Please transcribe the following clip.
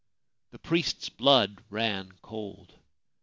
The priest's blood ran cold.